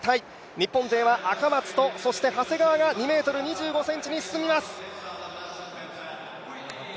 日本勢は赤松と、そして長谷川が２ｍ２５ｃｍに進みます。